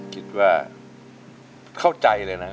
คิดว่าเข้าใจเลยนะ